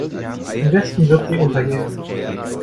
Im Westen wird sie untergehen.